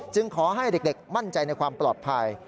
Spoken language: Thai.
ขอให้เด็กมั่นใจในความปลอดภัย